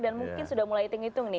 dan mungkin sudah mulai tinggitung nih